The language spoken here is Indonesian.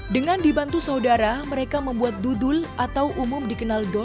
dengan dibantu saudara mereka membuat dudul atau umum dikenal